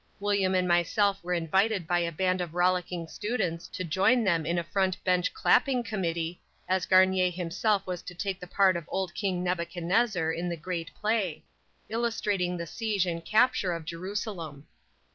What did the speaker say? William and myself were invited by a band of rollicking students to join them in a front bench "clapping" committee, as Garnier himself was to take the part of Old King Nebuchadnezzar in the great play, illustrating the siege and capture of Jerusalem.